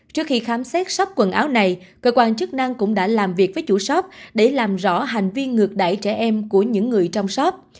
trước khi khám xét sắp quần áo này cơ quan chức năng cũng đã làm việc với chủ shop để làm rõ hành vi ngược đẩy trẻ em của những người trong shop